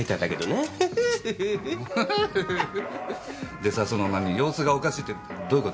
でさその様子がおかしいってどういう事？